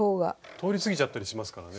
通り過ぎちゃったりしますからね。